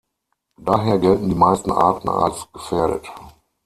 Daher gelten die meisten Arten als gefährdet.